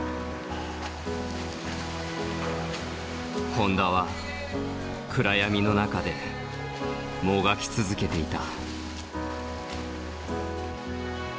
本多は暗闇の中でもがき続けていた。